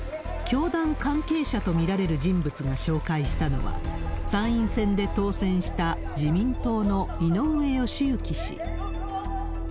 教団関係者と見られる人物が紹介したのは、参院選で当選した自民党の井上義行氏。